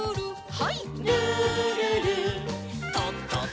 はい。